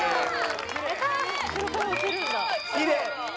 きれい。